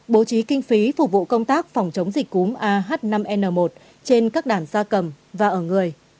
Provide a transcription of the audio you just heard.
bố trí kinh phí phục vụ công tác phòng chống dịch cúm ah năm n một trên các đàn gia cầm và ở người